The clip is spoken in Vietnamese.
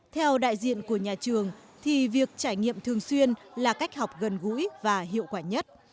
theo đại diện của nhà trường thì việc trải nghiệm thường xuyên là cách học gần gũi và hiệu quả nhất